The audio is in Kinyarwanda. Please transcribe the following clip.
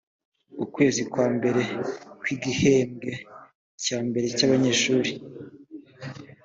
ukwezi kwa mbere kw igihembwe cya abanyeshuri